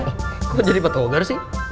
kok jadi patogar sih